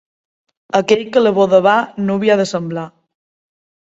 Aquell que a la boda va, nuvi ha de semblar.